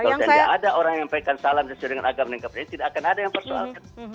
kalau tidak ada orang yang memberikan salam sesuai dengan agama dan kepercayaannya tidak akan ada yang mempersoalkan